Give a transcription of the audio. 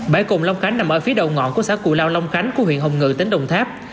bãi cùng long khánh nằm ở phía đầu ngọn của xã cụ lao long khánh huyện hồng ngự tỉnh đồng tháp